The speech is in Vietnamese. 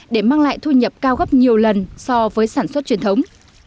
để mang lại thu nhập cao gấp nhiều lần so với sản xuất truyền thống